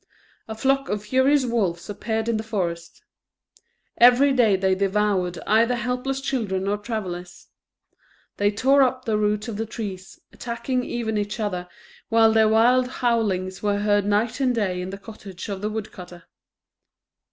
A flock of furious wolves appeared in the forest; every day they devoured either helpless children or travellers; they tore up the roots of the trees, attacking even each other, while their wild howlings were heard night and day in the cottage of the woodcutter.